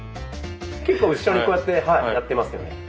結構後ろにこうやってやってますよね？